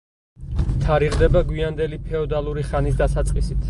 თარიღდება გვიანდელი ფეოდალური ხანის დასაწყისით.